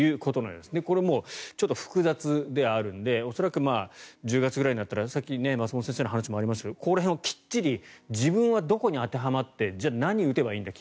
これもう、複雑ではあるので恐らく１０月ぐらいになったらさっき松本先生の話にもありましたがここら辺をきっちり自分はどこに当てはまってじゃあ、何を打てばいいんだ